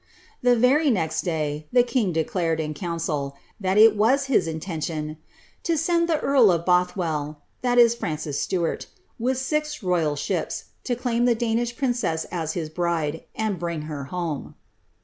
The very next day, the kin» declared, in council, liiat it was his intention no ectid the earl of Bothwell (Krancis Stuart'. w,th six royal ships, to claim the Danish princess as his bride, and biing hft home."